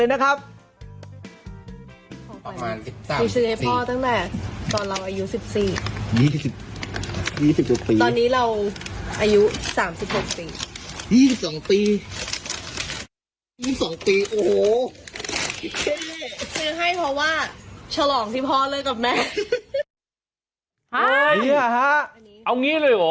เอาอย่างนี้เลยหรอ